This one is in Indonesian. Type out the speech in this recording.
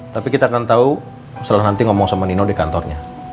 tapi kita akan tahu setelah nanti ngomong sama nino di kantornya